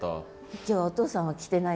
今日はお父さんは来てないんですね？